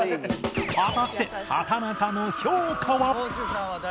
果たして畠中の評価は？